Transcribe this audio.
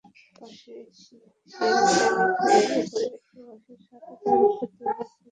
পাশেই শিয়ালজানি খালের ওপর একটি বাঁশের সাঁকো, যার ওপর দিয়ে লোকজন চলাচল করছে।